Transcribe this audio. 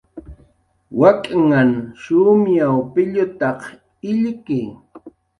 Wak'nhan shumyaw pillutaq illki